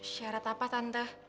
syarat apa tante